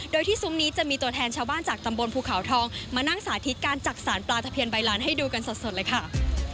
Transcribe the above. โดยที่ซุ้มนี้จะมีตัวแทนชาวบ้านจากตำบลภูเขาทองมานั่งสาธิตการจักษานปลาทะเบียนใบลานให้ดูกันสดเลยค่ะ